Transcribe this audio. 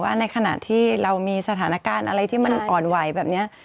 ในขณะที่เรามีสถานการณ์อะไรที่มันอ่อนไหวแบบนี้